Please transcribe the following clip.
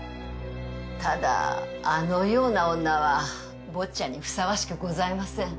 ただあのような女は坊ちゃんにふさわしくございません。